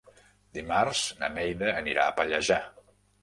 Dimarts na Neida anirà a Pallejà.